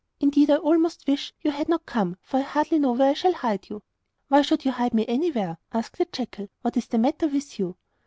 Indeed, I almost wish you had not come, for I hardly know where I shall hide you.' 'Why should you hide me anywhere?' asked the jackal. 'What is the matter with you?